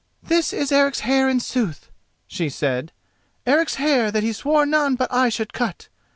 "This is Eric's hair in sooth," she said—"Eric's hair that he swore none but I should cut!